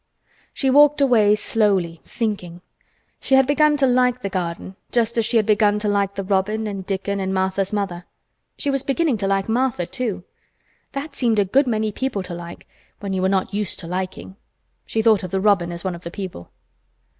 She walked away, slowly thinking. She had begun to like the garden just as she had begun to like the robin and Dickon and Martha's mother. She was beginning to like Martha, too. That seemed a good many people to like—when you were not used to liking. She thought of the robin as one of the people.